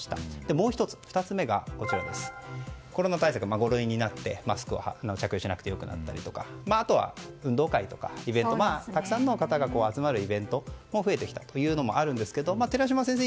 もう１つがコロナ対策５類になってマスク着用しなくてよくなったりとか、運動会などイベント、たくさんの方が集まるイベントが増えてきたというのも寺嶋先生